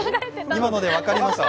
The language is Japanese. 今ので分かりました。